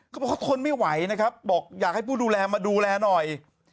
เขาบอกเขาทนไม่ไหวนะครับบอกอยากให้ผู้ดูแลมาดูแลหน่อย